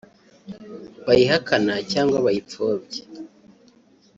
bayihakana cyangwa bayipfobya